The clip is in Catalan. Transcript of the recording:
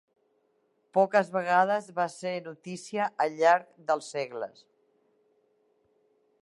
Poques vegades va ser notícia al llarg dels segles.